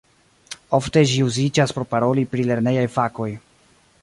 Ofte ĝi uziĝas por paroli pri lernejaj fakoj.